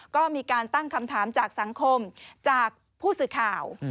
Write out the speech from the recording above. ก็มีการตั้งคำถามจากสังคมจากผู้สื่อข่าว